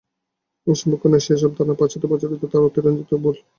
এই সম্পর্কে অন্য যে-সব ধারণা পাশ্চাত্যে প্রচারিত, তাহা অতিরঞ্জিত ও ভুল।